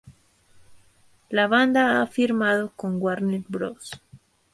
La banda ha firmado con Warner Bros.